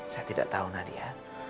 saya tidak tahu nadia